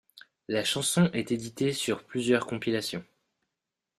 La chanson est éditée sur plusieurs compilations.